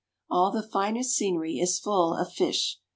All the finest scenery is full of fish.